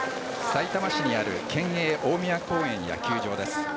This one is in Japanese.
さいたま市にある県営大宮公園野球場です。